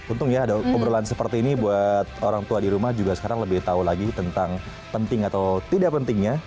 untung ya ada obrolan seperti ini buat orang tua di rumah juga sekarang lebih tahu lagi tentang penting atau tidak pentingnya